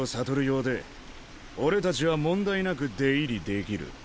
用で俺たちは問題なく出入りできる。